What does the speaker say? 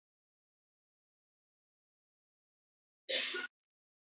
Los invasores eligieron gobernador a Pedro Pablo Seguí, que reunió una legislatura adicta.